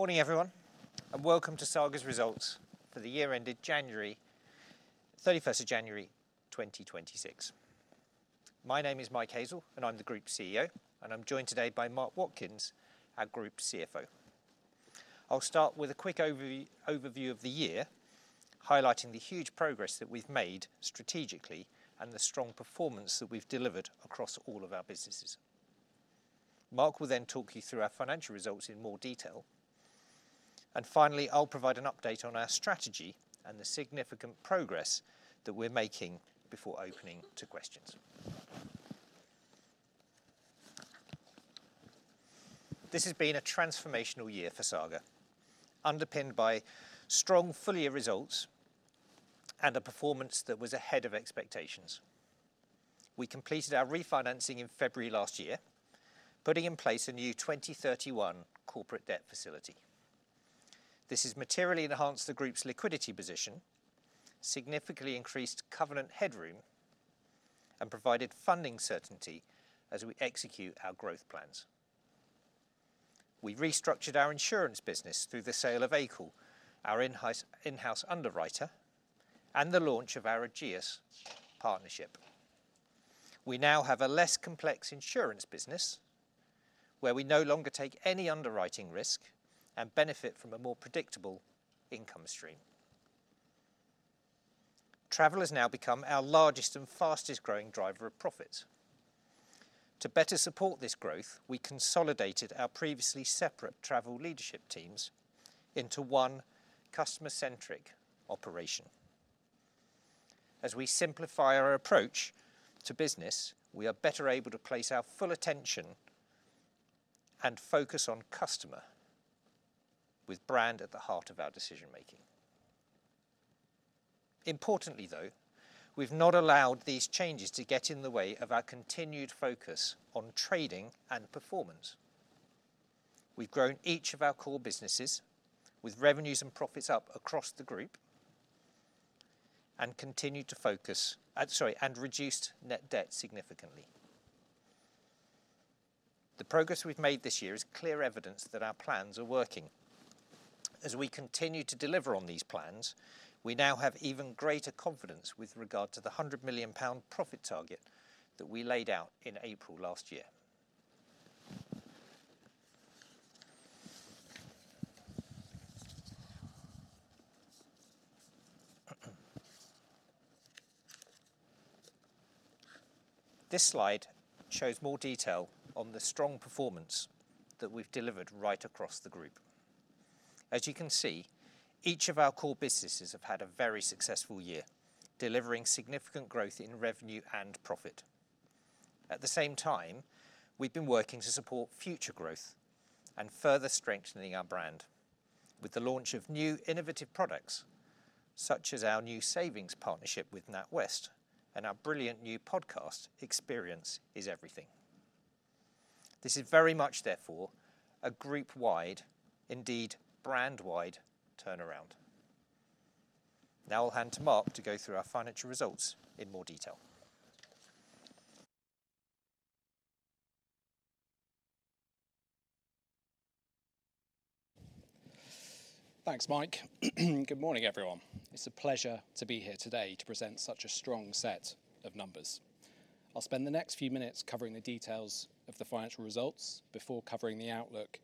Morning everyone. Welcome to Saga's Results for the Year Ended 31st of January 2026. My name is Mike Hazell and I'm the Group CEO, and I'm joined today by Mark Watkins, our Group CFO. I'll start with a quick overview of the year, highlighting the huge progress that we've made strategically and the strong performance that we've delivered across all of our businesses. Mark will then talk you through our financial results in more detail. Finally, I'll provide an update on our strategy and the significant progress that we're making before opening to questions. This has been a transformational year for Saga, underpinned by strong full-year results and a performance that was ahead of expectations. We completed our refinancing in February last year, putting in place a new 2031 corporate debt facility. This has materially enhanced the Group's liquidity position, significantly increased covenant headroom, and provided funding certainty as we execute our growth plans. We restructured our Insurance business through the sale of AICL, our in-house underwriter, and the launch of our Ageas partnership. We now have a less complex Insurance business where we no longer take any underwriting risk and benefit from a more predictable income stream. Travel has now become our largest and fastest-growing driver of profit. To better support this growth, we consolidated our previously separate Travel leadership teams into one customer-centric operation. As we simplify our approach to business, we are better able to place our full attention and focus on customer, with brand at the heart of our decision-making. Importantly though, we've not allowed these changes to get in the way of our continued focus on trading and performance. We've grown each of our core businesses with revenues and profits up across the Group and reduced net debt significantly. The progress we've made this year is clear evidence that our plans are working. As we continue to deliver on these plans, we now have even greater confidence with regard to the 100 million pound profit target that we laid out in April last year. This slide shows more detail on the strong performance that we've delivered right across the Group. As you can see, each of our core businesses have had a very successful year, delivering significant growth in revenue and profit. At the same time, we've been working to support future growth and further strengthening our brand with the launch of new innovative products such as our new savings partnership with NatWest and our brilliant new podcast, Experience is Everything. This is very much therefore, a group-wide, indeed brand-wide turnaround. Now I'll hand to Mark to go through our financial results in more detail. Thanks, Mike. Good morning, everyone. It's a pleasure to be here today to present such a strong set of numbers. I'll spend the next few minutes covering the details of the financial results before covering the outlook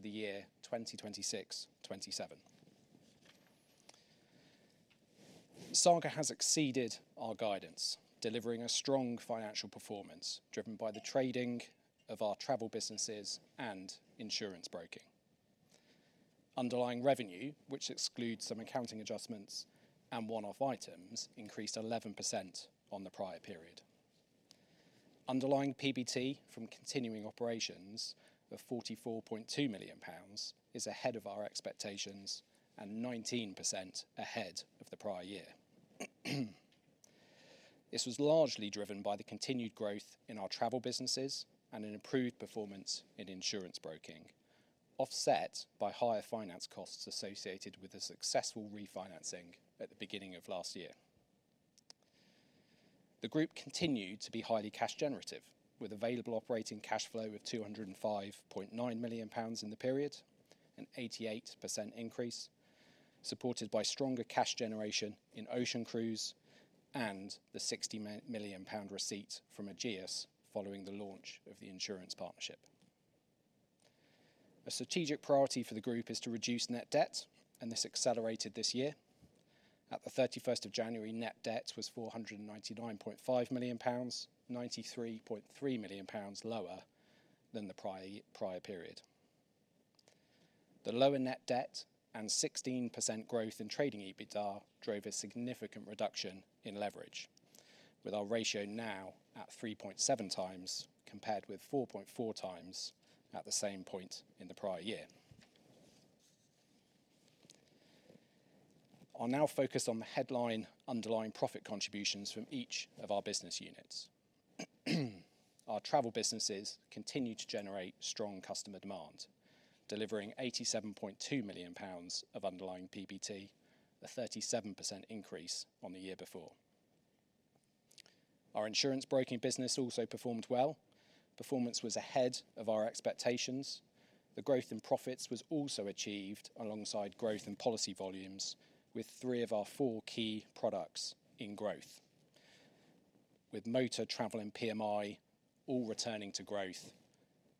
for the year 2026/2027. Saga has exceeded our guidance, delivering a strong financial performance driven by the trading of our travel businesses and insurance broking. Underlying revenue, which excludes some accounting adjustments and one-off items, increased 11% on the prior period. Underlying PBT from continuing operations of 44.2 million pounds is ahead of our expectations and 19% ahead of the prior year. This was largely driven by the continued growth in our travel businesses and an improved performance in insurance broking, offset by higher finance costs associated with the successful refinancing at the beginning of last year. The Group continued to be highly cash generative, with available operating cash flow of 205.9 million pounds in the period, an 88% increase, supported by stronger cash generation in Ocean Cruise and the 60 million pound receipt from Ageas following the launch of the insurance partnership. A strategic priority for the Group is to reduce net debt, and this accelerated this year. At the 31st of January, net debt was 499.5 million pounds, 93.3 million pounds lower than the prior period. The lower net debt and 16% growth in trading EBITDA drove a significant reduction in leverage, with our ratio now at 3.7x, compared with 4.4x at the same point in the prior year. I'll now focus on the headline underlying profit contributions from each of our business units. Our Travel businesses continue to generate strong customer demand, delivering 87.2 million pounds of Underlying PBT, a 37% increase on the year before. Our Insurance Broking business also performed well. Performance was ahead of our expectations. The growth in profits was also achieved alongside growth in policy volumes with three of our four key products in growth. With Motor, Travel, and PMI all returning to growth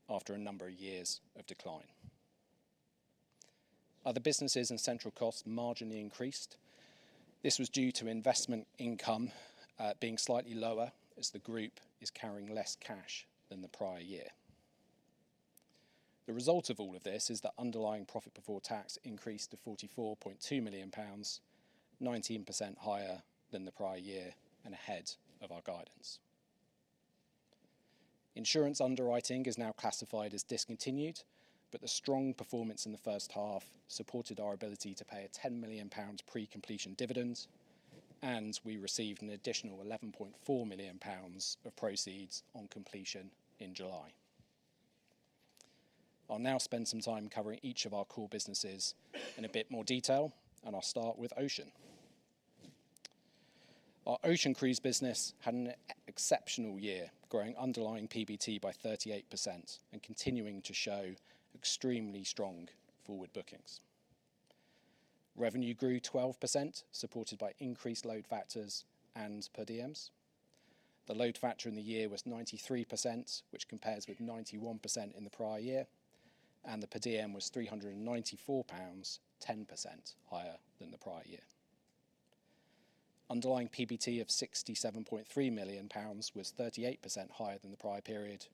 after a number of years of decline. Other businesses and central costs marginally increased. This was due to investment income being slightly lower as the Group is carrying less cash than the prior year. The result of all of this is that Underlying Profit Before Tax increased to 44.2 million pounds, 19% higher than the prior year and ahead of our guidance. Insurance underwriting is now classified as discontinued, but the strong performance in the first half supported our ability to pay a 10 million pounds pre-completion dividend, and we received an additional 11.4 million pounds of proceeds on completion in July. I'll now spend some time covering each of our core businesses in a bit more detail, and I'll start with Ocean. Our Ocean Cruise business had an exceptional year, growing underlying PBT by 38% and continuing to show extremely strong forward bookings. Revenue grew 12%, supported by increased load factors and per diems. The load factor in the year was 93%, which compares with 91% in the prior year, and the per diem was 394 pounds, 10% higher than the prior year. Underlying PBT of 67.3 million pounds was 38% higher than the prior period,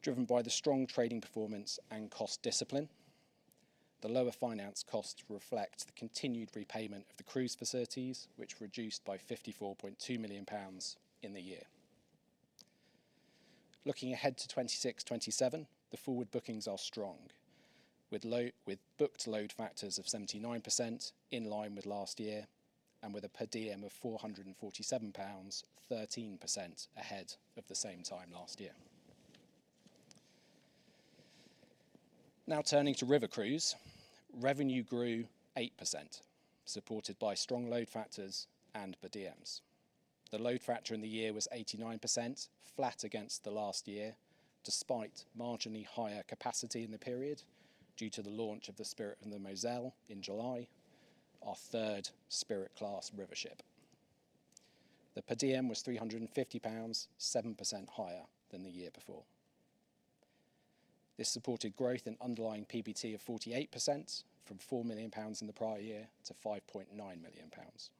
driven by the strong trading performance and cost discipline. The lower finance costs reflect the continued repayment of the cruise facilities, which reduced by 54.2 million pounds in the year. Looking ahead to 2026/2027, the forward bookings are strong, with booked load factors of 79% in line with last year, and with a per diem of 447 pounds, 13% ahead of the same time last year. Now turning to River Cruise. Revenue grew 8%, supported by strong load factors and per diems. The load factor in the year was 89%, flat against the last year, despite marginally higher capacity in the period due to the launch of the Spirit of the Moselle in July, our third Spirit class river ship. The per diem was 350 pounds, 7% higher than the year before. This supported growth in underlying PBT of 48% from 4 million pounds in the prior year to 5.9 million pounds.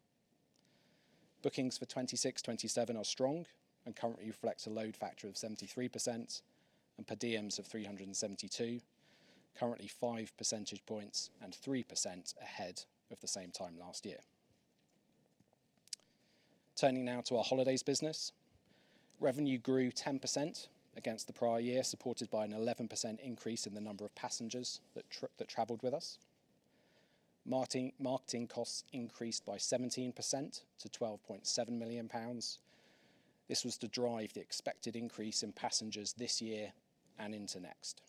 Bookings for 2026/2027 are strong and currently reflect a load factor of 73% and per diems of 372, currently five percentage points and 3% ahead of the same time last year. Turning now to our holidays business. Revenue grew 10% against the prior year, supported by an 11% increase in the number of passengers that traveled with us. Marketing costs increased by 17% to 12.7 million pounds. This was to drive the expected increase in passengers this year and into next.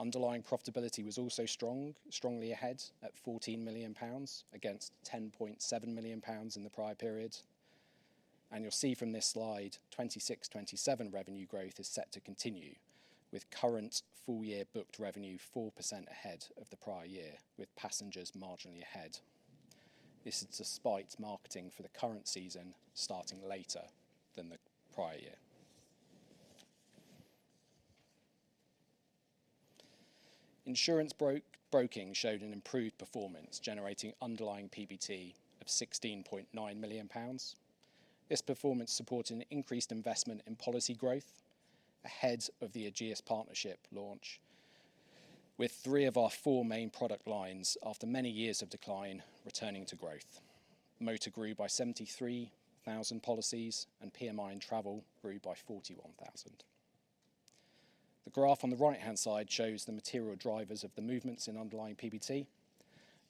Underlying profitability was also strongly ahead at 14 million pounds against 10.7 million pounds in the prior period. You'll see from this slide, 2026/2027 revenue growth is set to continue, with current full year booked revenue 4% ahead of the prior year, with passengers marginally ahead. This is despite marketing for the current season starting later than the prior year. Insurance Broking showed an improved performance, generating underlying PBT of 16.9 million pounds. This performance supported an increased investment in policy growth ahead of the Ageas Partnership launch, with three of our four main product lines, after many years of decline, returning to growth. Motor grew by 73,000 policies and PMI and Travel grew by 41,000. The graph on the right-hand side shows the material drivers of the movements in underlying PBT.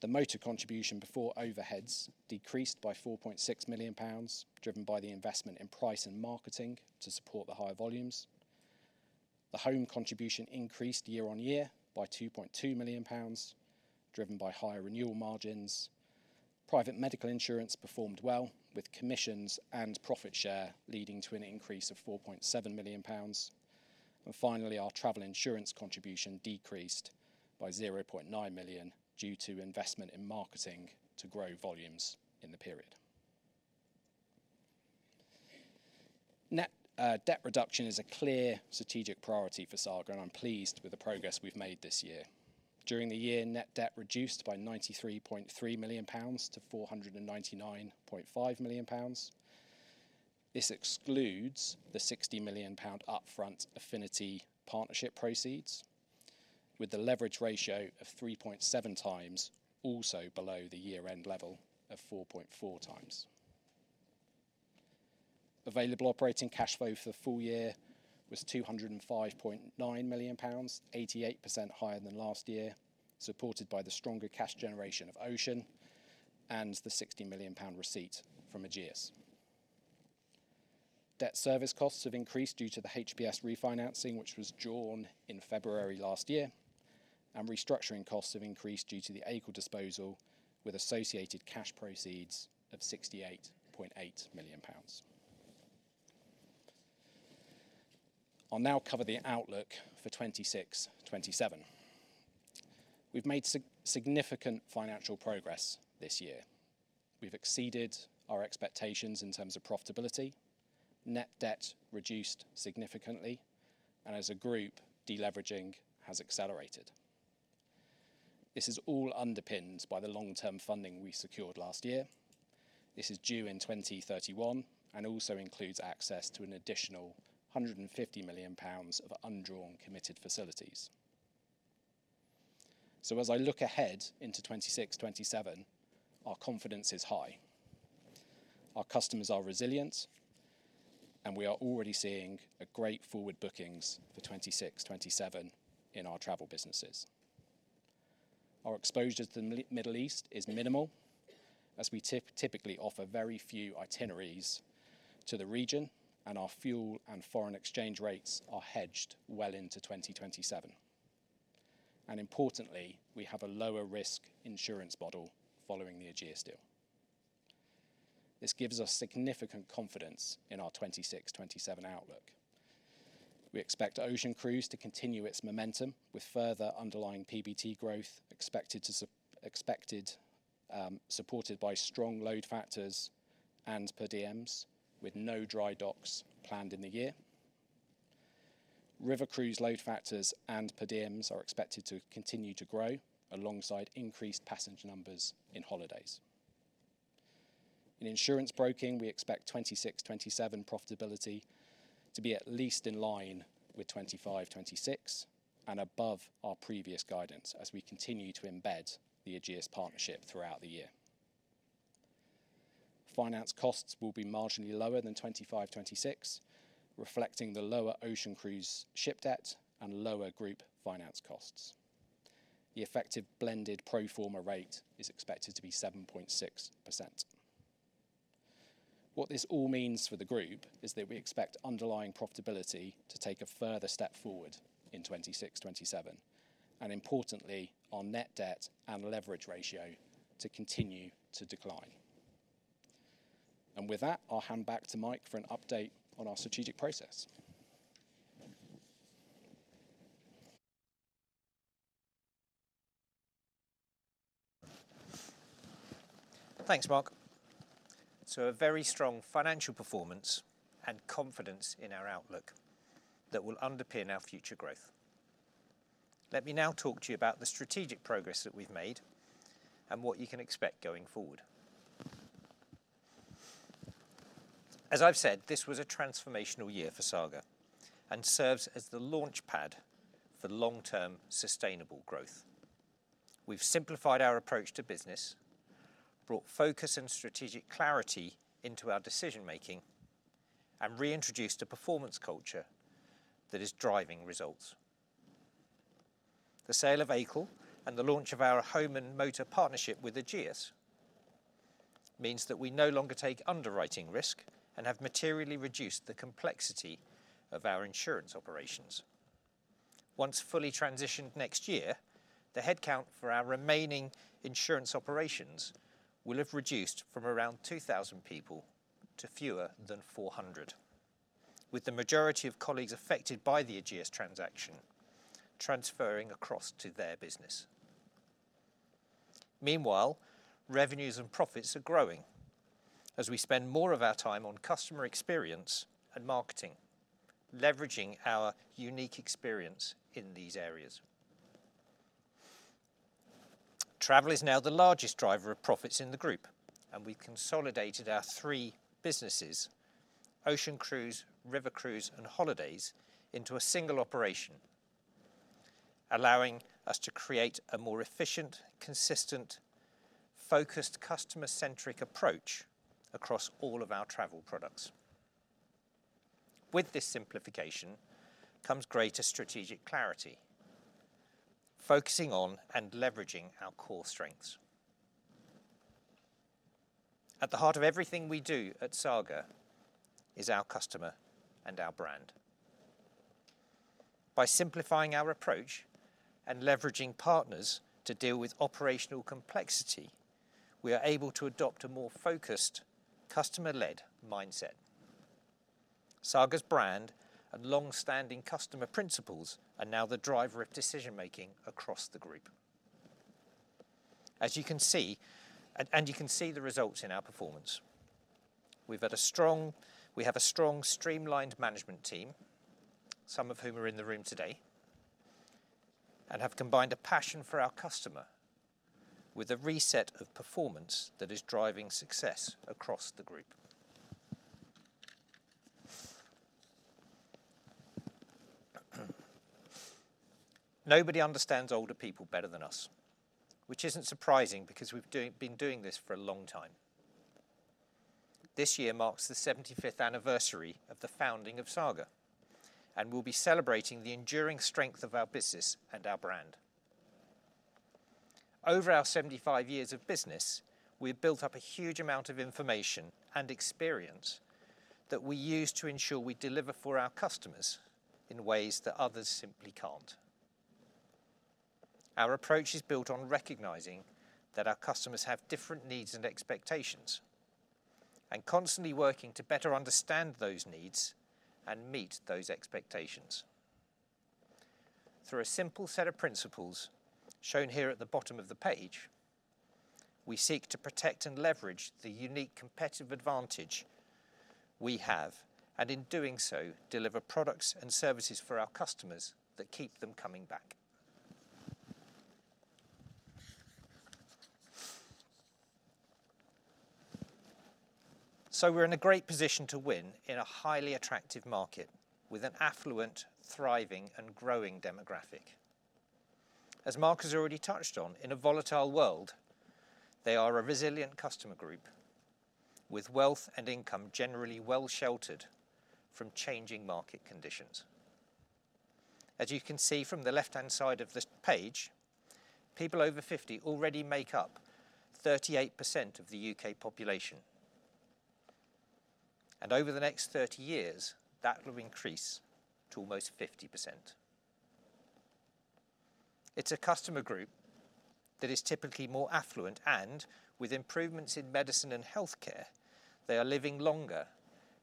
The Motor contribution before overheads decreased by 4.6 million pounds, driven by the investment in price and marketing to support the higher volumes. The Home contribution increased year-over-year by 2.2 million pounds, driven by higher renewal margins. Private Medical Insurance performed well with commissions and profit share, leading to an increase of 4.7 million pounds. Finally, our Travel Insurance contribution decreased by 0.9 million due to investment in marketing to grow volumes in the period. Net debt reduction is a clear strategic priority for Saga, and I'm pleased with the progress we've made this year. During the year, net debt reduced by 93.3 million pounds to 499.5 million pounds. This excludes the 60 million pound upfront Affinity Partnership proceeds, with the leverage ratio of 3.7x also below the year-end level of 4.4x. Available operating cash flow for the full year was 205.9 million pounds, 88% higher than last year, supported by the stronger cash generation of Ocean and the 60 million pound receipt from Ageas. Debt service costs have increased due to the HPS refinancing, which was drawn in February last year. Restructuring costs have increased due to the AICL disposal with associated cash proceeds of 68.8 million pounds. I'll now cover the outlook for 2026/2027. We've made significant financial progress this year. We've exceeded our expectations in terms of profitability, net debt reduced significantly, and as a group, deleveraging has accelerated. This is all underpinned by the long-term funding we secured last year. This is due in 2031 and also includes access to an additional 150 million pounds of undrawn committed facilities. As I look ahead into 2026/2027, our confidence is high. Our customers are resilient, and we are already seeing great forward bookings for 2026/2027 in our travel businesses. Our exposure to the Middle East is minimal, as we typically offer very few itineraries to the region, and our fuel and foreign exchange rates are hedged well into 2027. Importantly, we have a lower risk insurance model following the Ageas deal. This gives us significant confidence in our 2026/2027 outlook. We expect Ocean Cruise to continue its momentum with further underlying PBT growth expected, supported by strong load factors and per diems, with no dry docks planned in the year. River Cruise load factors and per diems are expected to continue to grow alongside increased passenger numbers in Holidays. In Insurance Broking, we expect 2026/2027 profitability to be at least in line with 2025/2026, and above our previous guidance as we continue to embed the Ageas partnership throughout the year. Finance costs will be marginally lower than 2025/2026, reflecting the lower Ocean Cruise ship debt and lower Group finance costs. The effective blended pro forma rate is expected to be 7.6%. What this all means for the Group is that we expect underlying profitability to take a further step forward in 2026/2027, and importantly, our net debt and leverage ratio to continue to decline. With that, I'll hand back to Mike for an update on our strategic process. Thanks, Mark. So a very strong financial performance and confidence in our outlook that will underpin our future growth. Let me now talk to you about the strategic progress that we've made and what you can expect going forward. As I've said, this was a transformational year for Saga and serves as the launchpad for long-term sustainable growth. We've simplified our approach to business, brought focus and strategic clarity into our decision-making, and reintroduced a performance culture that is driving results. The sale of AICL and the launch of our home and motor partnership with Ageas means that we no longer take underwriting risk and have materially reduced the complexity of our insurance operations. Once fully transitioned next year, the headcount for our remaining insurance operations will have reduced from around 2,000 people to fewer than 400, with the majority of colleagues affected by the Ageas transaction transferring across to their business. Meanwhile, revenues and profits are growing as we spend more of our time on customer experience and marketing, leveraging our unique experience in these areas. Travel is now the largest driver of profits in the group, and we've consolidated our three businesses, ocean cruise, river cruise, and holidays, into a single operation, allowing us to create a more efficient, consistent, focused, customer-centric approach across all of our travel products. With this simplification comes greater strategic clarity, focusing on and leveraging our core strengths. At the heart of everything we do at Saga is our customer and our brand. By simplifying our approach and leveraging partners to deal with operational complexity, we are able to adopt a more focused, customer-led mindset. Saga's brand and long-standing customer principles are now the driver of decision-making across the Group. You can see the results in our performance. We have a strong, streamlined management team, some of whom are in the room today, and have combined a passion for our customer with a reset of performance that is driving success across the Group. Nobody understands older people better than us, which isn't surprising, because we've been doing this for a long time. This year marks the 75th anniversary of the founding of Saga, and we'll be celebrating the enduring strength of our business and our brand. Over our 75 years of business, we've built up a huge amount of information and experience that we use to ensure we deliver for our customers in ways that others simply can't. Our approach is built on recognizing that our customers have different needs and expectations, and constantly working to better understand those needs and meet those expectations. Through a simple set of principles shown here at the bottom of the page, we seek to protect and leverage the unique competitive advantage we have, and in doing so, deliver products and services for our customers that keep them coming back. We're in a great position to win in a highly attractive market with an affluent, thriving, and growing demographic. As Mark has already touched on, in a volatile world, they are a resilient customer group with wealth and income generally well-sheltered from changing market conditions. As you can see from the left-hand side of this page, people over 50 already make up 38% of the U.K. population, and over the next 30 years, that will increase to almost 50%. It's a customer group that is typically more affluent and, with improvements in medicine and healthcare, they are living longer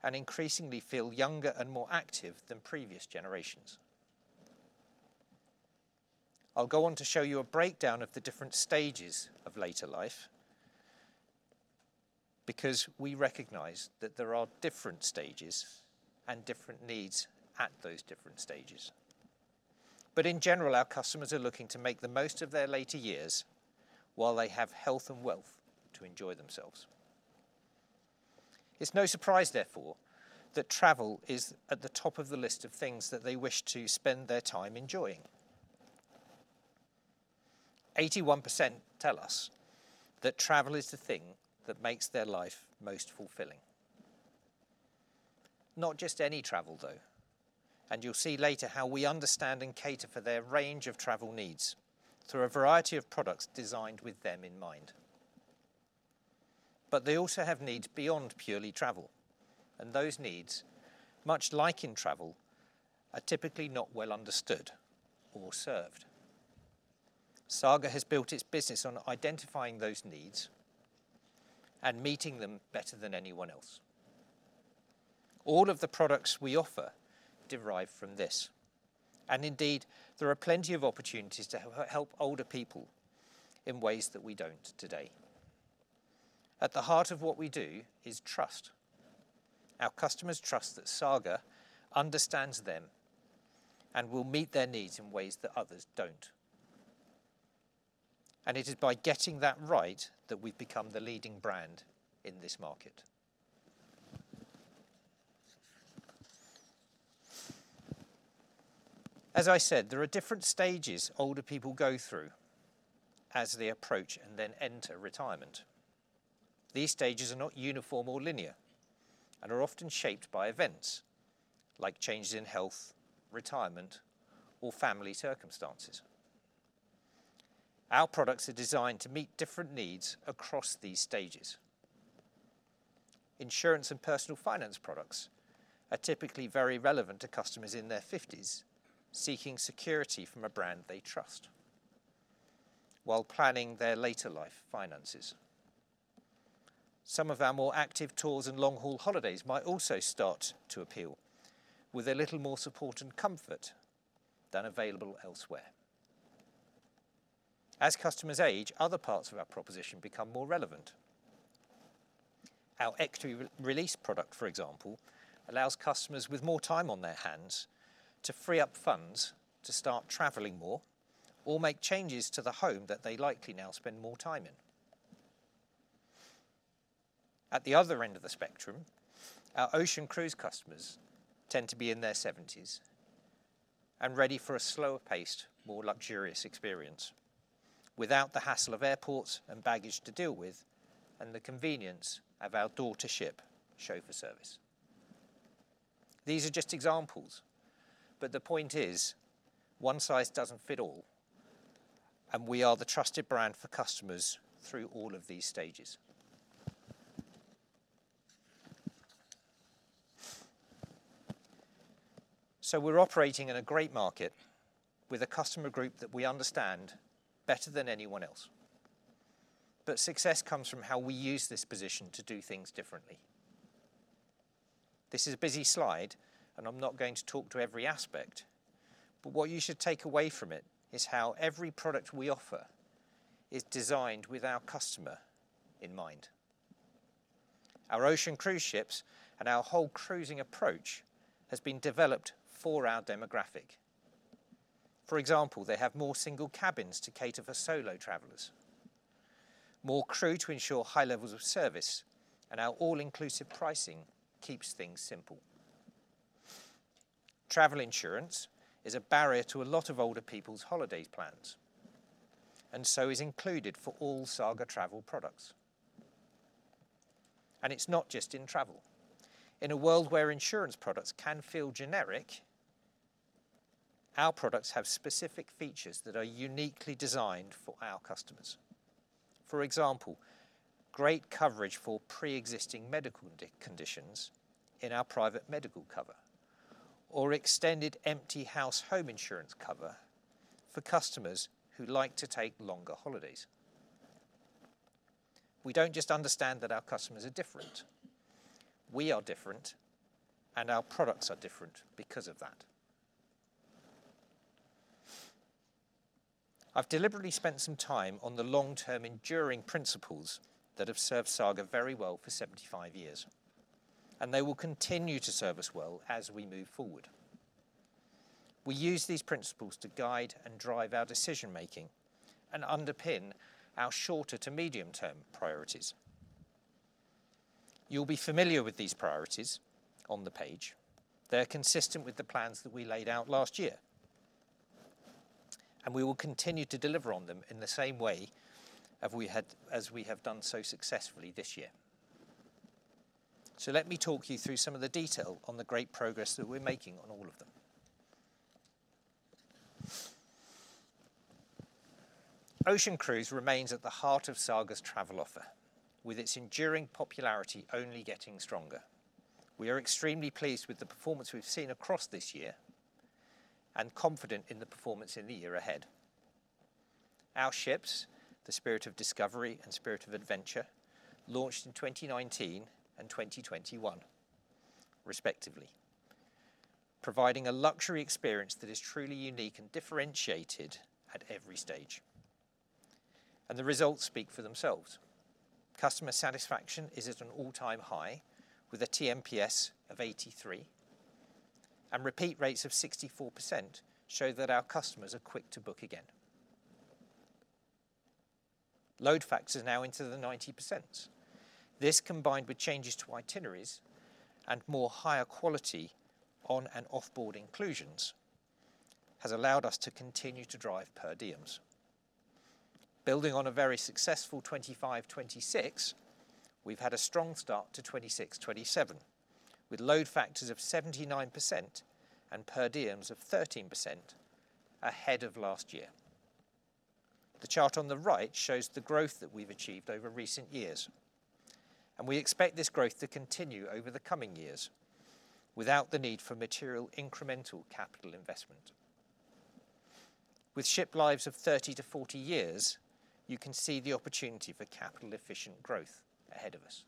and increasingly feel younger and more active than previous generations. I'll go on to show you a breakdown of the different stages of later life, because we recognize that there are different stages and different needs at those different stages. In general, our customers are looking to make the most of their later years while they have health and wealth to enjoy themselves. It's no surprise, therefore, that travel is at the top of the list of things that they wish to spend their time enjoying. 81% tell us that travel is the thing that makes their life most fulfilling. Not just any travel, though, and you'll see later how we understand and cater for their range of travel needs through a variety of products designed with them in mind. They also have needs beyond purely travel, and those needs, much like in travel, are typically not well understood or served. Saga has built its business on identifying those needs and meeting them better than anyone else. All of the products we offer derive from this. Indeed, there are plenty of opportunities to help older people in ways that we don't today. At the heart of what we do is trust. Our customers trust that Saga understands them and will meet their needs in ways that others don't. It is by getting that right that we've become the leading brand in this market. As I said, there are different stages older people go through as they approach and then enter retirement. These stages are not uniform or linear and are often shaped by events like changes in health, retirement, or family circumstances. Our products are designed to meet different needs across these stages. Insurance and personal finance products are typically very relevant to customers in their 50s seeking security from a brand they trust while planning their later life finances. Some of our more active tours and long-haul holidays might also start to appeal with a little more support and comfort than available elsewhere. As customers age, other parts of our proposition become more relevant. Our equity release product, for example, allows customers with more time on their hands to free up funds to start traveling more or make changes to the home that they likely now spend more time in. At the other end of the spectrum, our Ocean Cruise customers tend to be in their 70s and ready for a slower-paced, more luxurious experience without the hassle of airports and baggage to deal with and the convenience of our door-to-ship chauffeur service. These are just examples, but the point is one size doesn't fit all, and we are the trusted brand for customers through all of these stages. We're operating in a great market with a customer group that we understand better than anyone else. Success comes from how we use this position to do things differently. This is a busy slide, and I'm not going to talk to every aspect, but what you should take away from it is how every product we offer is designed with our customer in mind. Our ocean cruise ships and our whole cruising approach has been developed for our demographic. For example, they have more single cabins to cater for solo travelers, more crew to ensure high levels of service, and our all-inclusive pricing keeps things simple. Travel insurance is a barrier to a lot of older people's holiday plans and so is included for all Saga Travel products. It's not just in Travel. In a world where insurance products can feel generic, our products have specific features that are uniquely designed for our customers. For example, great coverage for pre-existing medical conditions in our private medical cover, or extended empty house home insurance cover for customers who like to take longer holidays. We don't just understand that our customers are different. We are different, and our products are different because of that. I've deliberately spent some time on the long-term enduring principles that have served Saga very well for 75 years, and they will continue to serve us well as we move forward. We use these principles to guide and drive our decision-making and underpin our shorter to medium-term priorities. You'll be familiar with these priorities on the page. They're consistent with the plans that we laid out last year, and we will continue to deliver on them in the same way as we have done so successfully this year. Let me talk you through some of the detail on the great progress that we're making on all of them. Ocean Cruise remains at the heart of Saga's travel offer, with its enduring popularity only getting stronger. We are extremely pleased with the performance we've seen across this year and confident in the performance in the year ahead. Our ships, the Spirit of Discovery and Spirit of Adventure, launched in 2019 and 2021 respectively, providing a luxury experience that is truly unique and differentiated at every stage, and the results speak for themselves. Customer satisfaction is at an all-time high, with a TMPS of 83, and repeat rates of 64% show that our customers are quick to book again. Load factors are now into the 90%. This, combined with changes to itineraries and more higher quality on- and off-board inclusions, has allowed us to continue to drive per diems. Building on a very successful 2025/2026, we've had a strong start to 2026/2027, with load factors of 79% and per diems of 13% ahead of last year. The chart on the right shows the growth that we've achieved over recent years, and we expect this growth to continue over the coming years without the need for material incremental capital investment. With ship lives of 30-40 years, you can see the opportunity for capital-efficient growth ahead of us.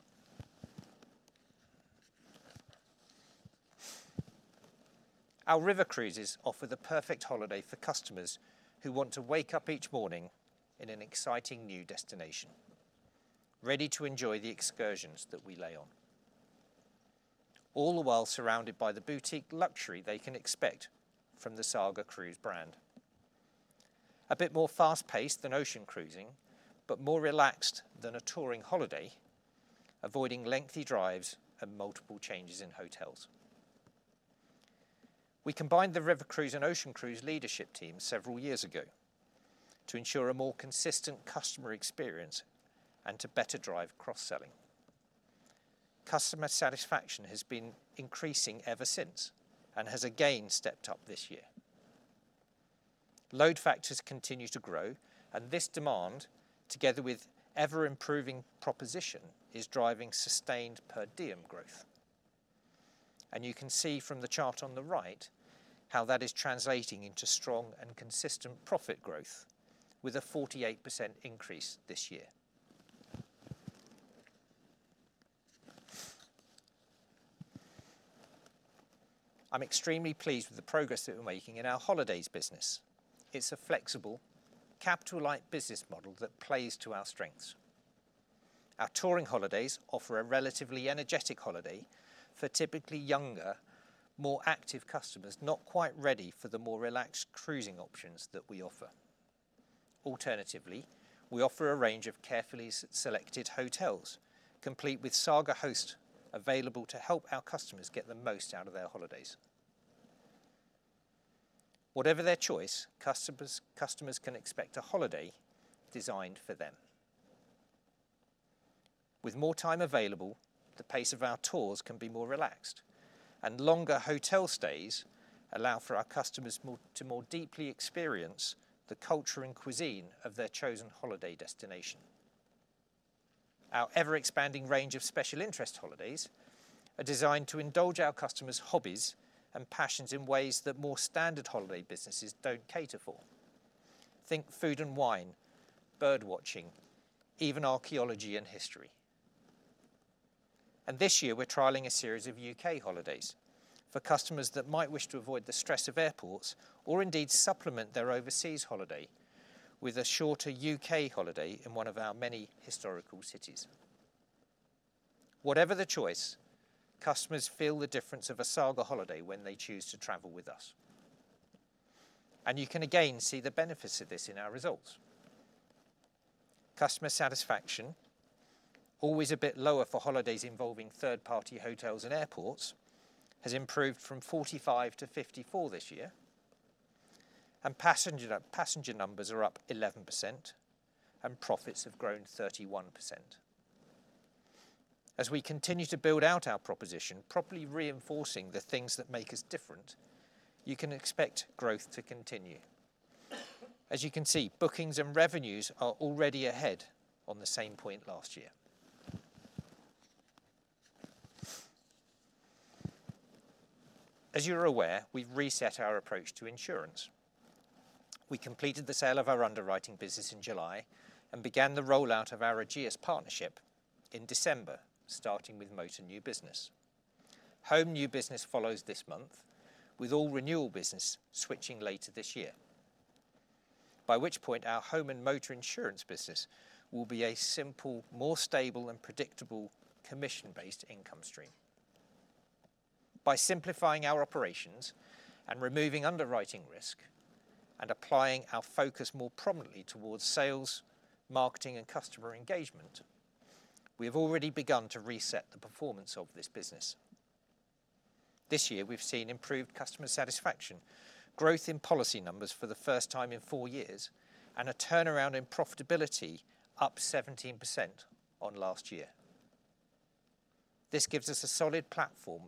Our river cruises offer the perfect holiday for customers who want to wake up each morning in an exciting new destination, ready to enjoy the excursions that we lay on, all the while surrounded by the boutique luxury they can expect from the Saga Cruise brand, a bit more fast-paced than ocean cruising, but more relaxed than a touring holiday, avoiding lengthy drives and multiple changes in hotels. We combined the River Cruise and Ocean Cruise leadership teams several years ago to ensure a more consistent customer experience and to better drive cross-selling. Customer satisfaction has been increasing ever since and has again stepped up this year. Load factors continue to grow, and this demand, together with ever-improving proposition, is driving sustained per diem growth. You can see from the chart on the right how that is translating into strong and consistent profit growth with a 48% increase this year. I'm extremely pleased with the progress that we're making in our Holidays business. It's a flexible, capital-light business model that plays to our strengths. Our touring holidays offer a relatively energetic holiday for typically younger, more active customers, not quite ready for the more relaxed cruising options that we offer. Alternatively, we offer a range of carefully selected hotels, complete with Saga hosts available to help our customers get the most out of their holidays. Whatever their choice, customers can expect a holiday designed for them. With more time available, the pace of our tours can be more relaxed and longer hotel stays allow for our customers to more deeply experience the culture and cuisine of their chosen holiday destination. Our ever-expanding range of special interest holidays are designed to indulge our customers' hobbies and passions in ways that more standard holiday businesses don't cater for. Think food and wine, bird watching, even archeology and history. This year, we're trialing a series of U.K. holidays for customers that might wish to avoid the stress of airports or indeed supplement their overseas holiday with a shorter U.K. holiday in one of our many historical cities. Whatever the choice, customers feel the difference of a Saga holiday when they choose to travel with us, and you can again see the benefits of this in our results. Customer satisfaction, always a bit lower for holidays involving third-party hotels and airports, has improved from 45-54 this year. Passenger numbers are up 11%, and profits have grown 31%. As we continue to build out our proposition, properly reinforcing the things that make us different, you can expect growth to continue. As you can see, bookings and revenues are already ahead on the same point last year. As you're aware, we've reset our approach to insurance. We completed the sale of our underwriting business in July and began the rollout of our Ageas partnership in December, starting with motor new business. Home new business follows this month, with all renewal business switching later this year, by which point our home and motor insurance business will be a simple, more stable and predictable commission-based income stream. By simplifying our operations and removing underwriting risk and applying our focus more prominently towards sales, marketing and customer engagement, we have already begun to reset the performance of this business. This year, we've seen improved customer satisfaction, growth in policy numbers for the first time in four years, and a turnaround in profitability up 17% on last year. This gives us a solid platform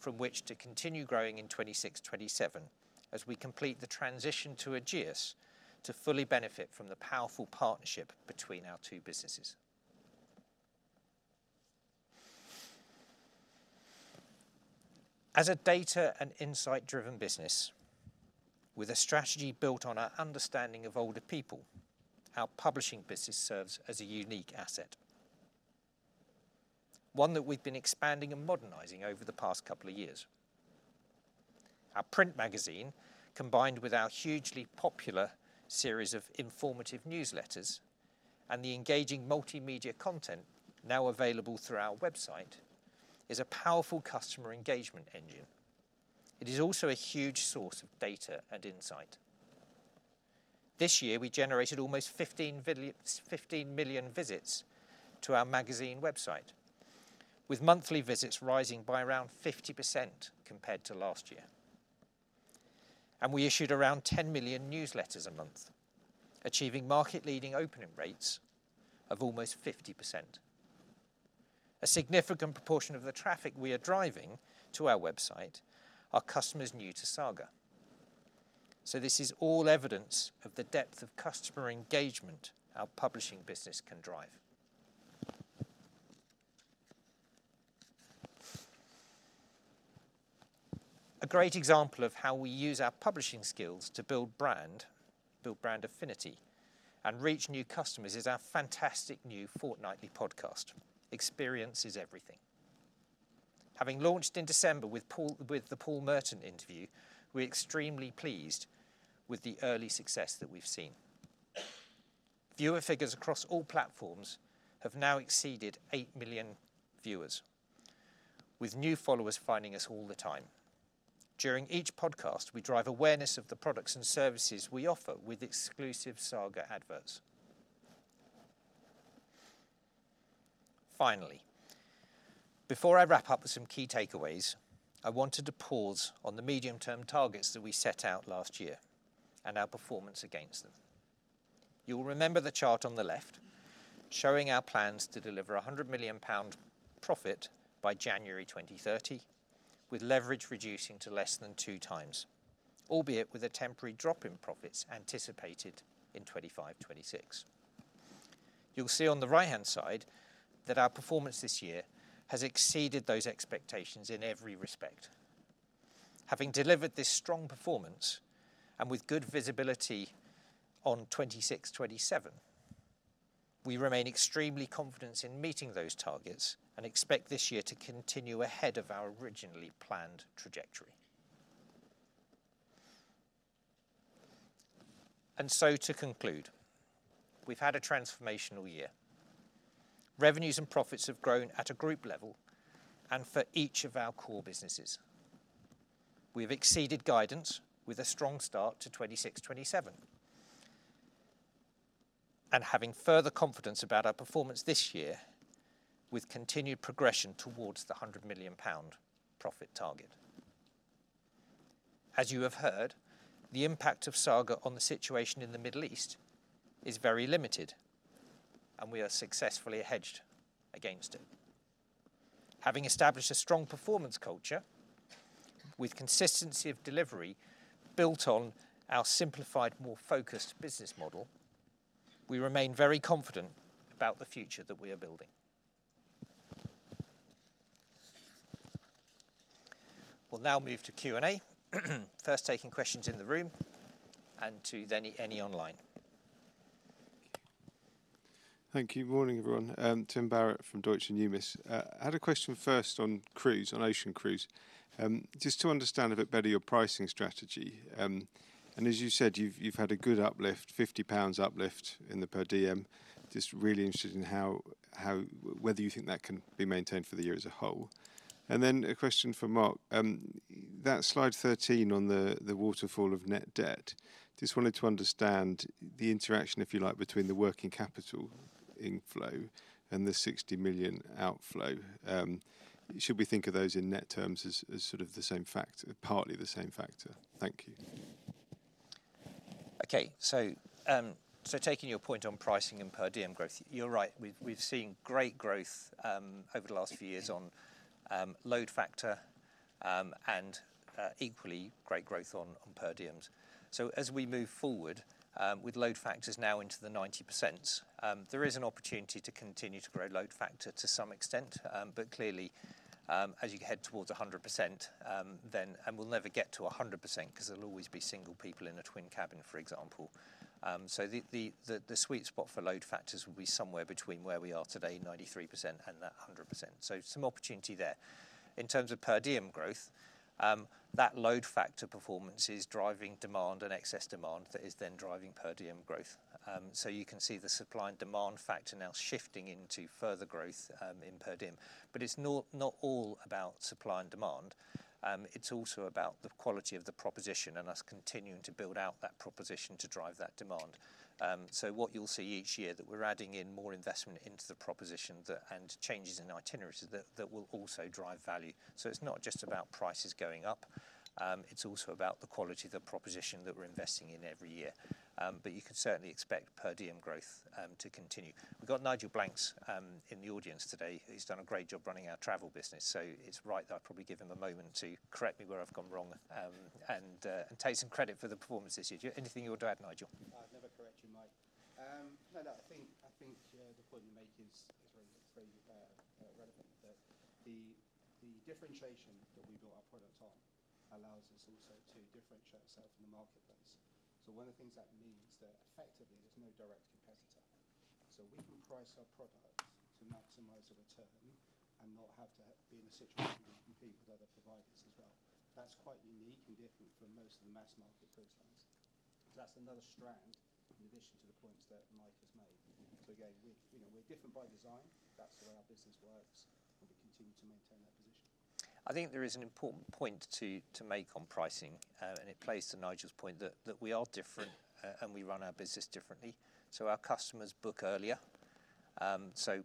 from which to continue growing in 2026/2027 as we complete the transition to Ageas to fully benefit from the powerful partnership between our two businesses. As a data and insight driven business with a strategy built on our understanding of older people, our publishing business serves as a unique asset. One that we've been expanding and modernizing over the past couple of years. Our print magazine, combined with our hugely popular series of informative newsletters and the engaging multimedia content now available through our website, is a powerful customer engagement engine. It is also a huge source of data and insight. This year, we generated almost 15 million visits to our magazine website, with monthly visits rising by around 50% compared to last year. We issued around 10 million newsletters a month, achieving market-leading opening rates of almost 50%. A significant proportion of the traffic we are driving to our website are customers new to Saga. This is all evidence of the depth of customer engagement our publishing business can drive. A great example of how we use our publishing skills to build brand affinity and reach new customers is our fantastic new fortnightly podcast, Experience is Everything. Having launched in December with the Paul Merton interview, we're extremely pleased with the early success that we've seen. Viewer figures across all platforms have now exceeded eight million viewers, with new followers finding us all the time. During each podcast, we drive awareness of the products and services we offer with exclusive Saga adverts. Finally, before I wrap up with some key takeaways, I wanted to pause on the medium-term targets that we set out last year and our performance against them. You will remember the chart on the left showing our plans to deliver 100 million pound profit by January 2030, with leverage reducing to less than two times, albeit with a temporary drop in profits anticipated in 2025/2026. You'll see on the right-hand side that our performance this year has exceeded those expectations in every respect. Having delivered this strong performance and with good visibility on 2026/2027, we remain extremely confident in meeting those targets and expect this year to continue ahead of our originally planned trajectory. To conclude, we've had a transformational year. Revenues and profits have grown at a group level, and for each of our core businesses. We've exceeded guidance with a strong start to 2026/2027, having further confidence about our performance this year with continued progression towards the 100 million pound profit target. As you have heard, the impact of Saga on the situation in the Middle East is very limited, and we are successfully hedged against it. Having established a strong performance culture with consistency of delivery built on our simplified, more focused business model, we remain very confident about the future that we are building. We'll now move to Q&A, first taking questions in the room and to any online. Thank you. Morning, everyone. I'm Tim Barrett from Deutsche Numis. I had a question first on cruise, on Ocean Cruise. Just to understand a bit better your pricing strategy. As you said, you've had a good uplift, 50 pounds uplift in the per diem. Just really interested in whether you think that can be maintained for the year as a whole. A question for Mark. That slide 13 on the waterfall of net debt. Just wanted to understand the interaction, if you like, between the working capital inflow and the 60 million outflow. Should we think of those in net terms as partly the same factor? Thank you. Okay. Taking your point on pricing and per diem growth, you're right. We've seen great growth over the last few years on load factor, and equally great growth on per diems. As we move forward with load factors now into the 90%, there is an opportunity to continue to grow load factor to some extent. Clearly, as you head towards 100%, and we'll never get to 100% because there'll always be single people in a twin cabin, for example. The sweet spot for load factors will be somewhere between where we are today, 93%, and that 100%, some opportunity there. In terms of per diem growth, that load factor performance is driving demand and excess demand that is then driving per diem growth. You can see the supply and demand factor now shifting into further growth in per diem. It's not all about supply and demand. It's also about the quality of the proposition and us continuing to build out that proposition to drive that demand. What you'll see each year, that we're adding in more investment into the proposition and changes in itineraries that will also drive value. It's not just about prices going up. It's also about the quality of the proposition that we're investing in every year. You could certainly expect per diem growth to continue. We've got Nigel Blanks in the audience today, who's done a great job running our travel business, so it's right that I probably give him a moment to correct me where I've gone wrong, and take some credit for the performance this year. Do you have anything you want to add, Nigel? I'd never correct you, Mike. No, I think the point you make is very relevant, that the differentiation that we built our product on allows us also to differentiate ourself from the marketplace. One of the things that means that effectively there's no direct competitor. We can price our products to maximize the return and not have to be in a situation where we compete with other providers as well. That's quite unique and different from most of the mass market cruise lines. That's another strand in addition to the points that Mike has made. Again, we're different by design. That's the way our business works, and we continue to maintain that position. I think there is an important point to make on pricing, and it plays to Nigel's point that we are different and we run our business differently. Our customers book earlier.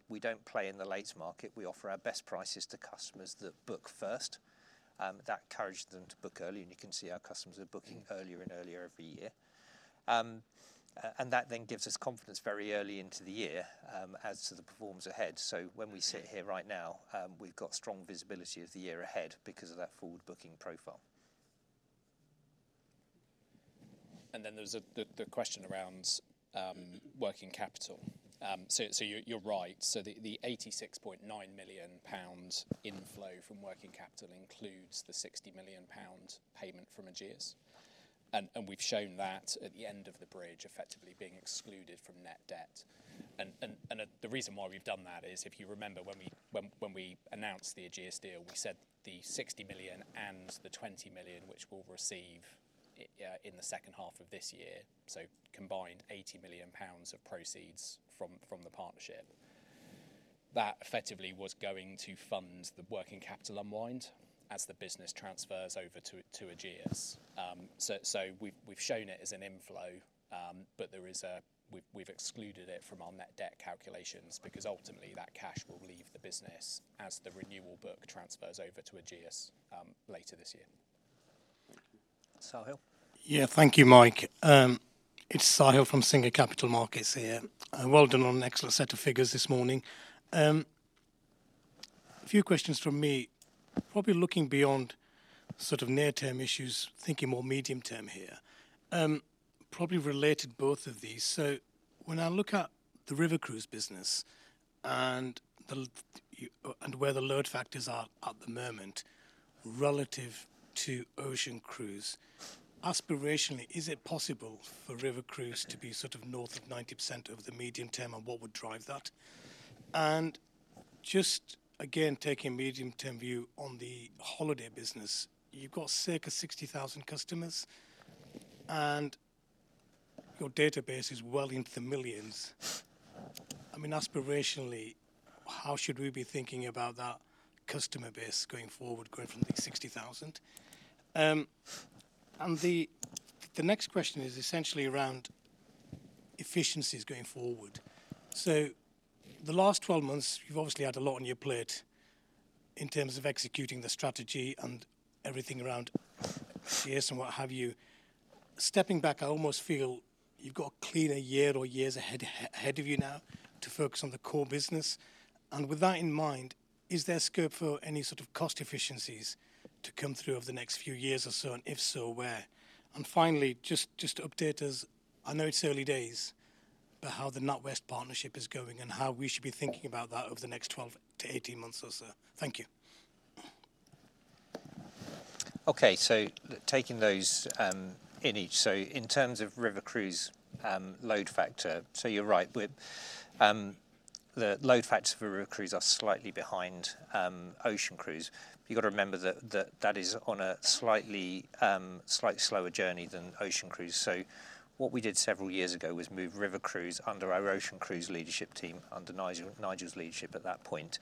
We don't play in the late market. We offer our best prices to customers that book first. That encourages them to book early, and you can see our customers are booking earlier and earlier every year. That then gives us confidence very early into the year as to the performance ahead. When we sit here right now, we've got strong visibility of the year ahead because of that forward-booking profile. There was the question around working capital. You're right. The 86.9 million pound inflow from working capital includes the 60 million pound payment from Ageas. We've shown that at the end of the bridge, effectively being excluded from net debt. The reason why we've done that is, if you remember when we announced the Ageas deal, we set the 60 million and the 20 million, which we'll receive in the second half of this year. Combined, 80 million pounds of proceeds from the partnership. That effectively was going to fund the working capital unwind as the business transfers over to Ageas. We've shown it as an inflow, but we've excluded it from our net debt calculations because ultimately that cash will leave the business as the renewal book transfers over to Ageas later this year. Sahill. Yeah. Thank you, Mike. It's Sahill from Singer Capital Markets here. Well done on an excellent set of figures this morning. A few questions from me, probably looking beyond near-term issues, thinking more medium-term here, probably related both of these. When I look at the River Cruise business and where the load factors are at the moment relative to Ocean Cruise, aspirationally, is it possible for River Cruise to be north of 90% over the medium term, and what would drive that? Just again, taking a medium-term view on the Holiday business, you've got circa 60,000 customers and your database is well into the millions. Aspirationally, how should we be thinking about that customer base going forward, going from 60,000? The next question is essentially around efficiencies going forward. The last 12 months, you've obviously had a lot on your plate in terms of executing the strategy and everything around Ageas and what have you. Stepping back, I almost feel you've got a clear year or years ahead of you now to focus on the core business. With that in mind, is there scope for any sort of cost efficiencies to come through over the next few years or so? If so, where? Finally, just to update us, I know it's early days, but how the NatWest partnership is going and how we should be thinking about that over the next 12-18 months or so. Thank you. Okay. Taking those in each. In terms of River Cruise load factor, you're right, the load factors for River Cruise are slightly behind Ocean Cruise. You've got to remember that is on a slightly slower journey than Ocean Cruise. What we did several years ago was move River Cruise under our Ocean Cruise leadership team, under Nigel's leadership at that point,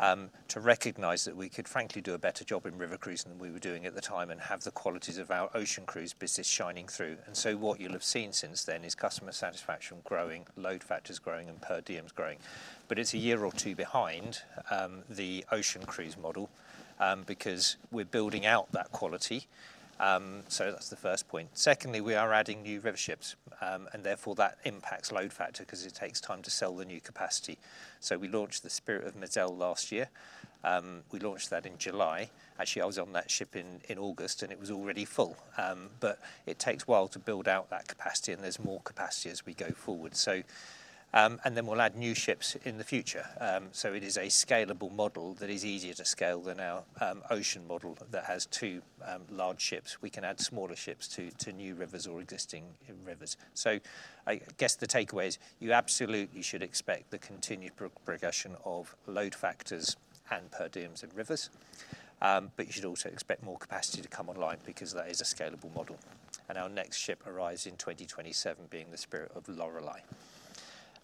to recognize that we could frankly do a better job in River Cruise than we were doing at the time and have the qualities of our Ocean Cruise business shining through. What you'll have seen since then is customer satisfaction growing, load factors growing, and per diems growing. It's a year or two behind the Ocean Cruise model, because we're building out that quality. That's the first point. Secondly, we are adding new river ships, and therefore that impacts load factor because it takes time to sell the new capacity. We launched the Spirit of the Moselle last year. We launched that in July. Actually, I was on that ship in August and it was already full. It takes a while to build out that capacity, and there's more capacity as we go forward. We'll add new ships in the future. It is a scalable model that is easier to scale than our ocean model that has two large ships. We can add smaller ships to new rivers or existing rivers. I guess the takeaway is you absolutely should expect the continued progression of load factors and per diems at rivers. You should also expect more capacity to come online because that is a scalable model, and our next ship arrives in 2027 being the Spirit of Lorelei.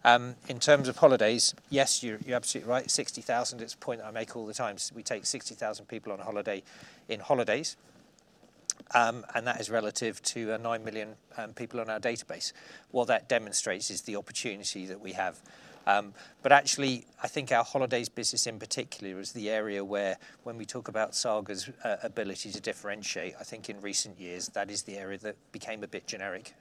In terms of Holidays, yes, you're absolutely right. 60,000, it's a point that I make all the time. We take 60,000 people on holiday in Holidays, and that is relative to nine million people on our database. What that demonstrates is the opportunity that we have. Actually, I think our Holidays business in particular is the area where, when we talk about Saga's ability to differentiate, I think in recent years, that is the area that became a bit generic.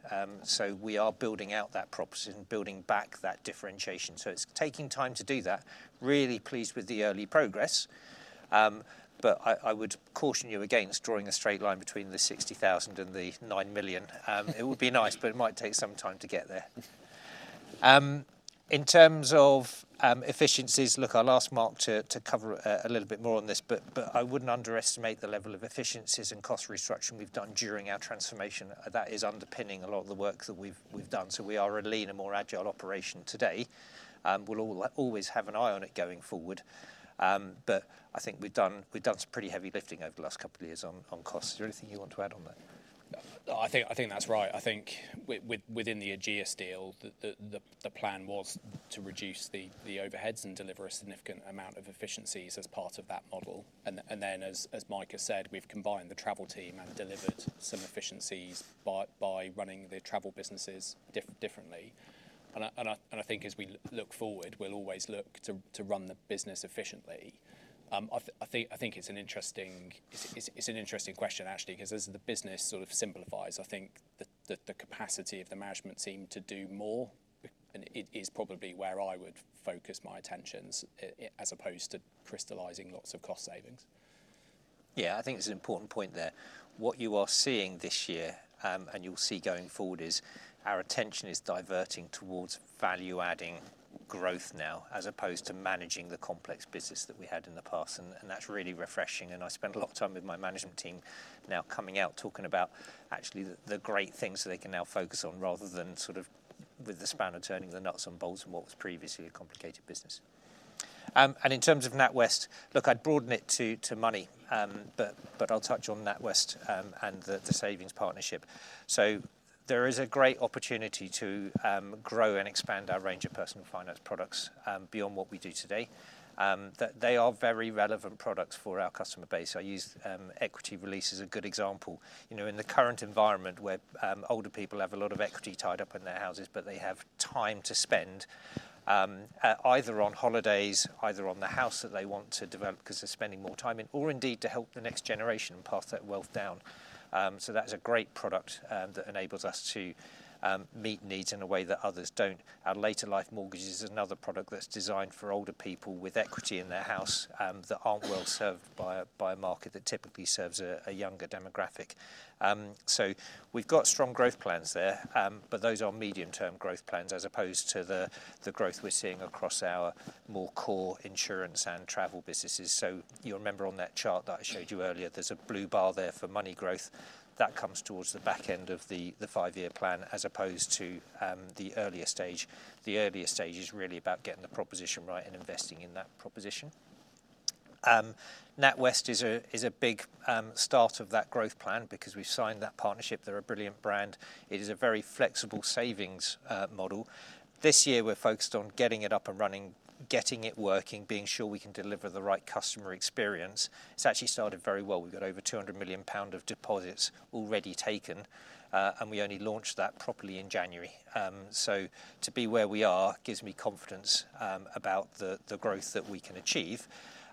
We are building out that proposition and building back that differentiation. It's taking time to do that. Really pleased with the early progress. I would caution you against drawing a straight line between the 60,000 and the nine million. It would be nice, but it might take some time to get there. In terms of efficiencies, look, I'll ask Mark to cover a little bit more on this, but I wouldn't underestimate the level of efficiencies and cost restructuring we've done during our transformation. That is underpinning a lot of the work that we've done. We are a leaner, more agile operation today. We'll always have an eye on it going forward. I think we've done some pretty heavy lifting over the last couple of years on costs. Is there anything you want to add on that? I think that's right. I think within the Ageas deal, the plan was to reduce the overheads and deliver a significant amount of efficiencies as part of that model. As Mike has said, we've combined the travel team and delivered some efficiencies by running the travel businesses differently. I think as we look forward, we'll always look to run the business efficiently. I think it's an interesting question actually, because as the business sort of simplifies, I think the capacity of the management team to do more is probably where I would focus my attentions as opposed to crystallizing lots of cost savings. Yeah, I think it's an important point there. What you are seeing this year, and you'll see going forward, is our attention is diverting towards value-adding growth now, as opposed to managing the complex business that we had in the past, and that's really refreshing. I spend a lot of time with my management team now coming out talking about actually the great things that they can now focus on rather than sort of with the spanner turning the nuts and bolts of what was previously a complicated business. In terms of NatWest, look, I'd broaden it to money. I'll touch on NatWest and the savings partnership. There is a great opportunity to grow and expand our range of personal finance products beyond what we do today. They are very relevant products for our customer base. I use equity release as a good example. In the current environment where older people have a lot of equity tied up in their houses, but they have time to spend, either on holidays, either on the house that they want to develop because they're spending more time in, or indeed to help the next generation pass that wealth down. That's a great product that enables us to meet needs in a way that others don't. Our later life mortgage is another product that's designed for older people with equity in their house, that aren't well served by a market that typically serves a younger demographic. We've got strong growth plans there. Those are medium-term growth plans as opposed to the growth we're seeing across our more core insurance and travel businesses. You'll remember on that chart that I showed you earlier, there's a blue bar there for money growth. That comes towards the back end of the five-year plan as opposed to the earlier stage. The earlier stage is really about getting the proposition right and investing in that proposition. NatWest is a big start of that growth plan because we've signed that partnership. They're a brilliant brand. It is a very flexible savings model. This year we're focused on getting it up and running, getting it working, being sure we can deliver the right customer experience. It's actually started very well. We've got over 200 million pound of deposits already taken. We only launched that properly in January. To be where we are gives me confidence about the growth that we can achieve.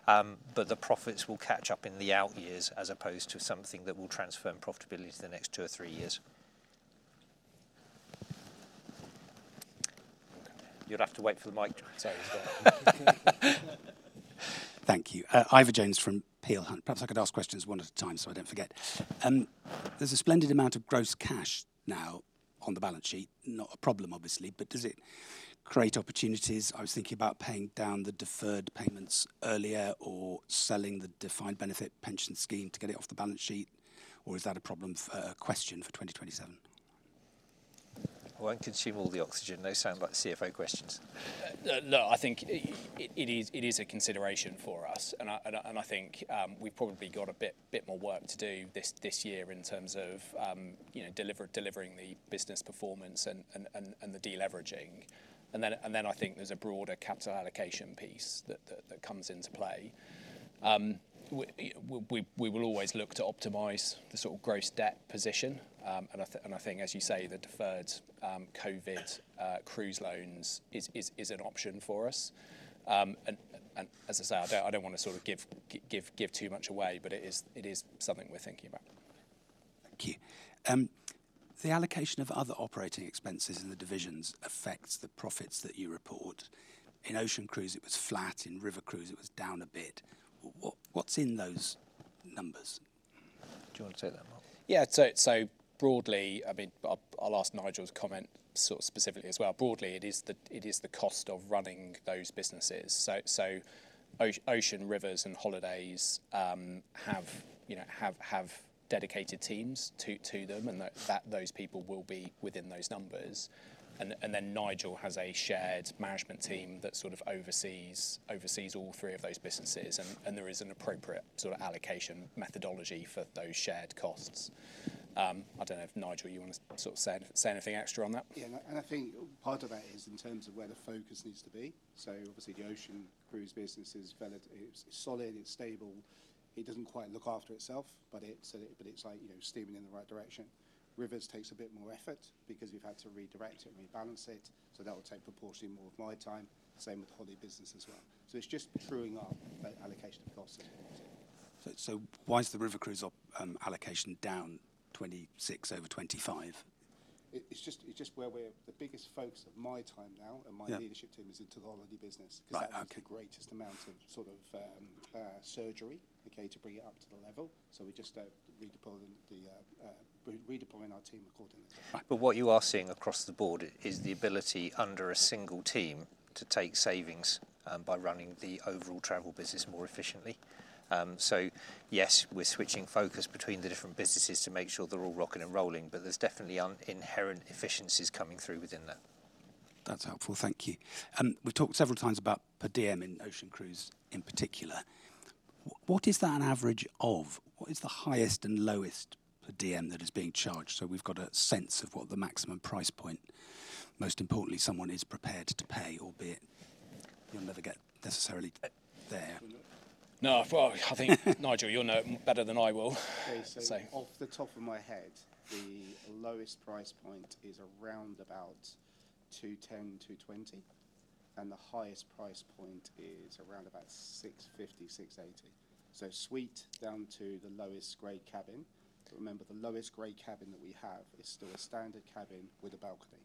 The profits will catch up in the out years as opposed to something that will transfer in profitability to the next two or three years. You'll have to wait for the mic to go. Thank you. Ivor Jones from Peel Hunt, perhaps I could ask questions one at a time so I don't forget. There's a splendid amount of gross cash now on the balance sheet, not a problem, obviously, but does it create opportunities? I was thinking about paying down the deferred payments earlier or selling the defined benefit pension scheme to get it off the balance sheet. Is that a question for 2027? I won't consume all the oxygen. They sound like CFO questions. No, I think it is a consideration for us, and I think we've probably got a bit more work to do this year in terms of delivering the business performance and the deleveraging. I think there's a broader capital allocation piece that comes into play. We will always look to optimize the gross debt position, and I think, as you say, the deferred COVID cruise loans is an option for us. As I say, I don't want to give too much away, but it is something we're thinking about. Thank you. The allocation of other operating expenses in the divisions affects the profits that you report. In Ocean Cruise, it was flat. In River Cruise, it was down a bit. What's in those numbers? Do you want to take that one? Yeah. Broadly, I'll ask Nigel to comment sort of specifically as well. Broadly, it is the cost of running those businesses. Ocean, Rivers, and Holidays have dedicated teams to them, and those people will be within those numbers. Nigel has a shared management team that sort of oversees all three of those businesses, and there is an appropriate allocation methodology for those shared costs. I don't know if, Nigel, you want to say anything extra on that. Yeah. I think part of that is in terms of where the focus needs to be. Obviously the Ocean Cruise business is valid. It's solid, it's stable. It doesn't quite look after itself, but it's steaming in the right direction. Rivers takes a bit more effort because we've had to redirect it and rebalance it, so that will take proportionally more of my time. Same with Holiday business as well. It's just truing up the allocation of costs. Why is the River Cruise allocation down 2026 over 2025? The biggest focus of my time now and my leadership team is into the holiday business. Right. Okay. Because that needs the greatest amount of surgery, okay, to bring it up to the level. We're just redeploying our team accordingly. Right. What you are seeing across the board is the ability under a single team to take savings by running the overall travel business more efficiently. Yes, we're switching focus between the different businesses to make sure they're all rocking and rolling, but there's definitely inherent efficiencies coming through within that. That's helpful. Thank you. We've talked several times about per diem in Ocean Cruise in particular. What is that an average of? What is the highest and lowest per diem that is being charged so we've got a sense of what the maximum price point, most importantly, someone is prepared to pay, albeit you'll never get necessarily there? No. I think, Nigel, you'll know better than I will. Okay. Off the top of my head, the lowest price point is around about 210-220, and the highest price point is around about 650-680. Suite down to the lowest grade cabin. Remember, the lowest grade cabin that we have is still a standard cabin with a balcony.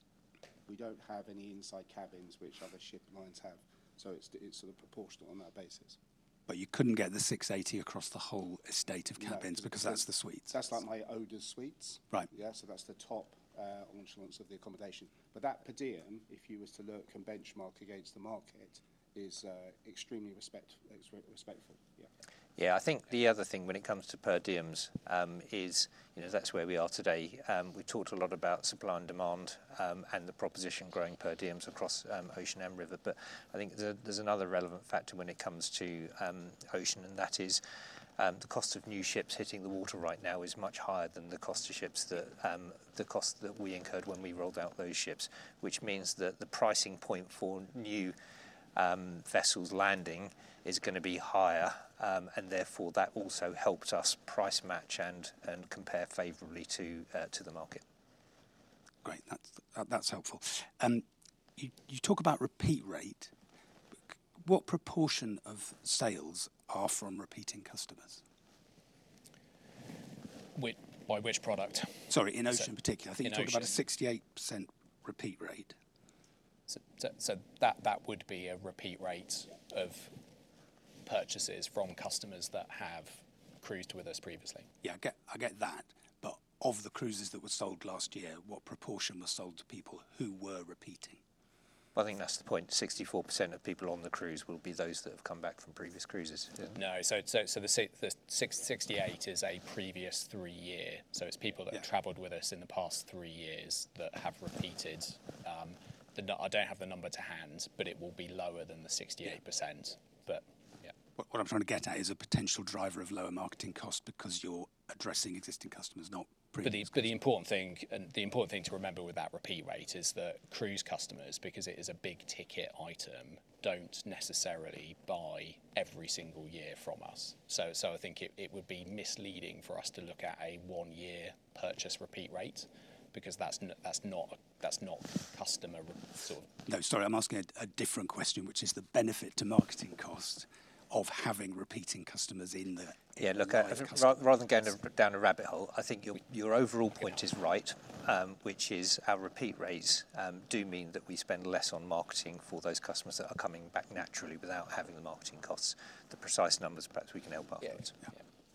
We don't have any inside cabins which other ship lines have, so it's sort of proportional on that basis. You couldn't get the 680 across the whole estate of cabins because that's the suites. That's like my Owner's Suites. Right. Yeah. That's the top echelons of the accommodation. That per diem, if you were to look and benchmark against the market, is extremely respectful. Yeah. Yeah. I think the other thing when it comes to per diems is that's where we are today. We talked a lot about supply and demand, and the proposition growing per diems across Ocean and River. I think there's another relevant factor when it comes to Ocean, and that is the cost of new ships hitting the water right now is much higher than the cost that we incurred when we rolled out those ships, which means that the pricing point for new vessels landing is going to be higher, and therefore, that also helps us price match and compare favorably to the market. Great. That's helpful. You talk about repeat rate. What proportion of sales are from repeating customers? By which product? Sorry, in Ocean particularly. In Ocean. I think you talked about a 68% repeat rate. That would be a repeat rate of purchases from customers that have cruised with us previously. Yeah. I get that. Of the cruises that were sold last year, what proportion was sold to people who were repeating? Well, I think that's the point. 64% of people on the cruise will be those that have come back from previous cruises. No. The 68% is a previous three-year, so it's people that. Yeah Have traveled with us in the past three years that have repeated. I don't have the number to hand, but it will be lower than the 68%. Yeah. What I'm trying to get at is a potential driver of lower marketing cost because you're addressing existing customers, not previous. The important thing to remember with that repeat rate is that cruise customers, because it is a big-ticket item, don't necessarily buy every single year from us. I think it would be misleading for us to look at a one-year purchase repeat rate. No, sorry. I'm asking a different question, which is the benefit to marketing cost of having repeating customers. Yeah. Look, rather than going down a rabbit hole, I think your overall point is right, which is our repeat rates do mean that we spend less on marketing for those customers that are coming back naturally without having the marketing costs. The precise numbers perhaps we can help after. Yeah.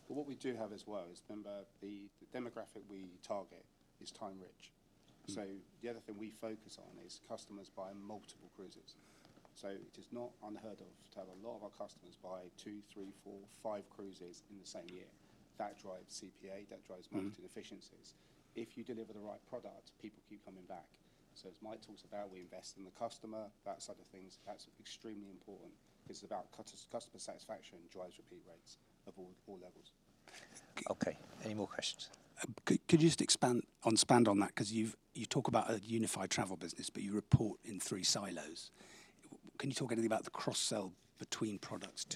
What we do have as well is, remember, the demographic we target is time-rich. The other thing we focus on is customers buying multiple cruises. It is not unheard of to have a lot of our customers buy two, three, four, five cruises in the same year that drives CPA. Mm-hmm [Marketing] efficiencies. If you deliver the right product, people keep coming back. As Mike talks about, we invest in the customer, that side of things. That's extremely important because it's about customer satisfaction drives repeat rates of all levels. Okay. Any more questions? Could you just expand on that? Because you talk about a unified travel business, but you report in three silos, can you talk anything about the cross-sell between products?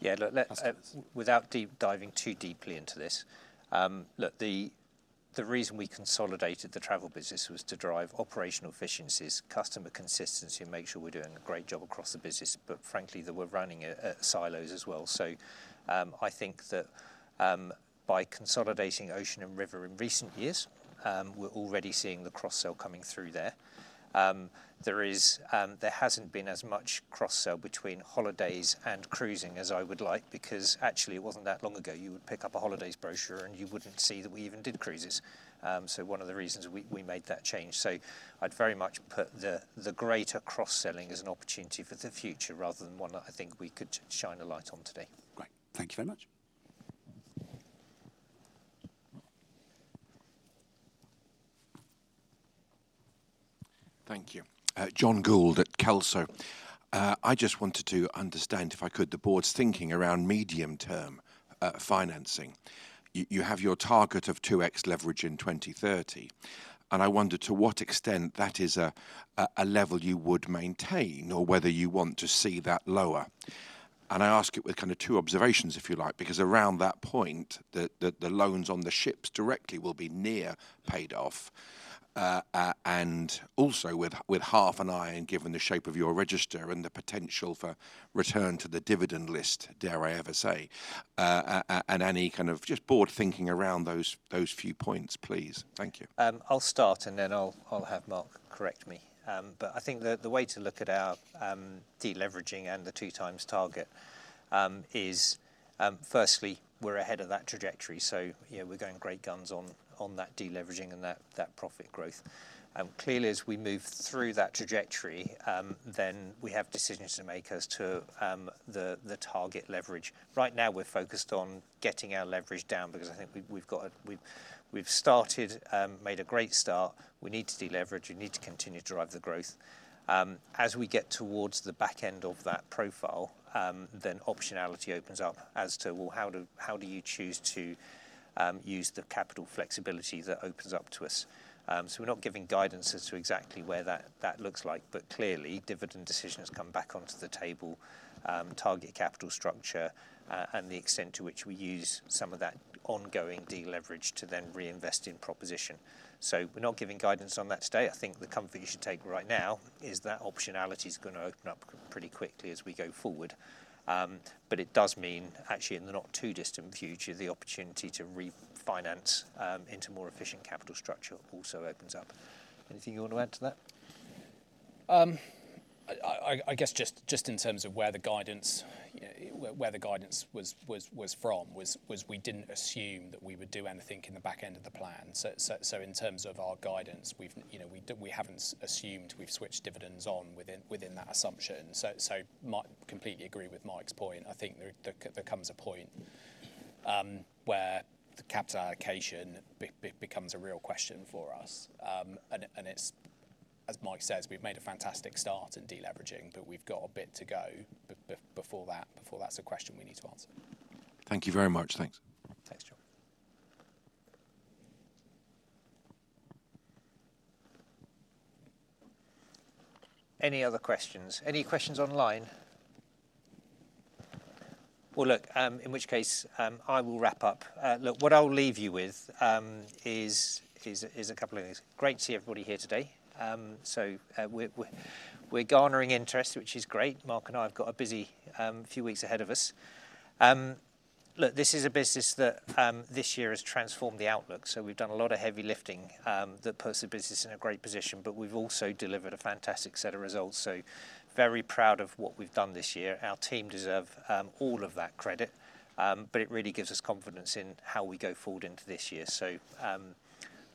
Yeah. Without diving too deeply into this, look, the reason we consolidated the Travel business was to drive operational efficiencies, customer consistency, and make sure we're doing a great job across the business. Frankly, they were running it in silos as well. I think that by consolidating Ocean and River in recent years, we're already seeing the cross-sell coming through there. There hasn't been as much cross-sell between holidays and cruising as I would like because, actually, it wasn't that long ago you would pick up a holidays brochure and you wouldn't see that we even did cruises. One of the reasons we made that change. I'd very much put the greater cross-selling as an opportunity for the future rather than one that I think we could shine a light on today. Great. Thank you very much. John Goold at Kelso. I just wanted to understand, if I could, the Board's thinking around medium-term financing. You have your target of 2x leverage in 2030, and I wonder to what extent that is a level you would maintain or whether you want to see that lower. I ask it with two observations, if you like, because around that point, the loans on the ships directly will be near paid off. Also with half an eye and given the shape of your register and the potential for return to the dividend list, dare I ever say, and any kind of just Board thinking around those few points, please. Thank you. I'll start, and then I'll have Mark correct me. I think the way to look at our deleveraging and the 2x target is, firstly, we're ahead of that trajectory. Yeah, we're going great guns on that deleveraging and that profit growth. Clearly, as we move through that trajectory, then we have decisions to make as to the target leverage. Right now we're focused on getting our leverage down because I think we've made a great start. We need to deleverage. We need to continue to drive the growth. As we get towards the back end of that profile, then optionality opens up as to, well, how do you choose to use the capital flexibility that opens up to us? We're not giving guidance as to exactly what that looks like, but clearly dividend decisions come back onto the table, target capital structure, and the extent to which we use some of that ongoing deleverage to then reinvest in proposition. We're not giving guidance on that today. I think the comfort you should take right now is that optionality's gonna open up pretty quickly as we go forward. It does mean actually, in the not too distant future, the opportunity to refinance into more efficient capital structure also opens up. Anything you want to add to that? I guess just in terms of where the guidance was from, was we didn't assume that we would do anything in the back end of the plan. In terms of our guidance, we haven't assumed we've switched dividends on within that assumption. I completely agree with Mike's point. I think there comes a point where the capital allocation becomes a real question for us. As Mike says, we've made a fantastic start in deleveraging, but we've got a bit to go before that's a question we need to answer. Thank you very much. Thanks. Thanks, John. Any other questions? Any questions online? Well, look, in which case, I will wrap up. Look, what I'll leave you with is a couple of things. It's great to see everybody here today. We're garnering interest, which is great. Mark and I have got a busy few weeks ahead of us. Look, this is a business that this year has transformed the outlook. We've done a lot of heavy lifting that puts the business in a great position, but we've also delivered a fantastic set of results. We're very proud of what we've done this year. Our team deserve all of that credit, but it really gives us confidence in how we go forward into this year. I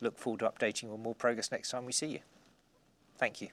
look forward to updating on more progress next time we see you. Thank you.